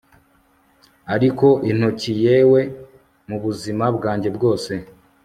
ariko intoki yewe mubuzima bwanjye bwose